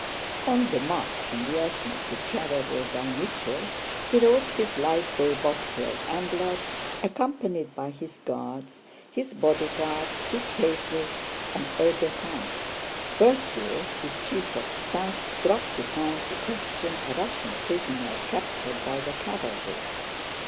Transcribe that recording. On the march from Vyázma to Tsárevo Zaymíshche he rode his light bay bobtailed ambler accompanied by his Guards, his bodyguard, his pages, and aides de camp. Berthier, his chief of staff, dropped behind to question a Russian prisoner captured by the cavalry.